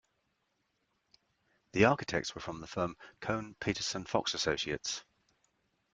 The architects were from the firm Kohn Pedersen Fox Associates.